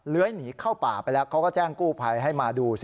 หนีเข้าป่าไปแล้วเขาก็แจ้งกู้ภัยให้มาดูสิ